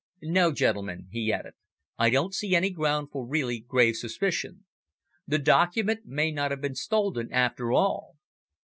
No, gentlemen," he added, "I don't see any ground for really grave suspicion. The document may not have been stolen after all.